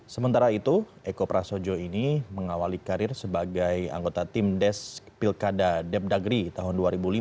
sementara itu eko prasojo ini mengawali karir sebagai anggota tim des pilkada depdagri tahun dua ribu lima